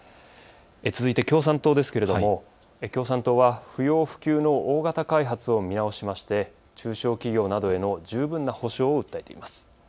続いて共産党ですけれども共産党は不要不急の大型開発を見直しまして中小企業などへの十分な補償を訴えています。